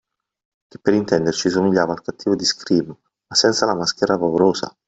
Che per intenderci somigliava al tipo cattivo di Scream, ma senza la maschera paurosa.